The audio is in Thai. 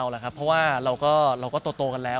ก็แสดงว่าผู้ใหญ่สองฝ่ายมีการคุยกันแล้ว